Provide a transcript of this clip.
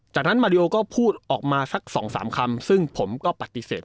จากนั้นมาริโอก็พูดออกมาสัก๒๓คำซึ่งผมก็ปฏิเสธ